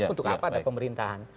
untuk apa ada pemerintahan